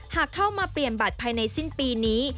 หากเข้ามาเปลี่ยนบัตรภายในสิ้นปีนี้